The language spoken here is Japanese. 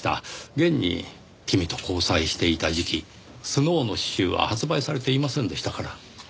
現に君と交際していた時期スノウの詩集は発売されていませんでしたから。